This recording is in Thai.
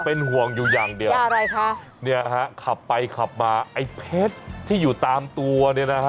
เป็นห่วงอยู่อย่างเดียวเนี่ยครับขับไปขับมาไอ้เพชธที่อยู่ตามตัวนี้นะฮะ